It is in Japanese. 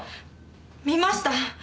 見ました！